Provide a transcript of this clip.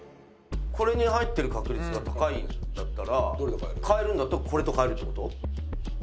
これに入ってる確率が高いんだったら替えるんだったらこれと替えるって事？